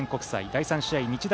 第３試合は日大